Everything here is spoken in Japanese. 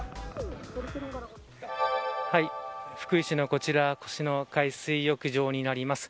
福井市のこちらは越廼海水浴場になります。